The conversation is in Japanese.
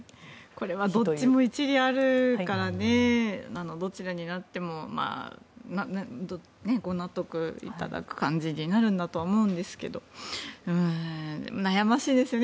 これはどっちも一理あるからどちらになってもご納得いただく感じになるんだとは思うんですけど悩ましいですよね。